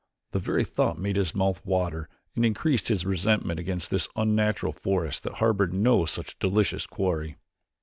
The very thought made his mouth water and increased his resentment against this unnatural forest that harbored no such delicious quarry.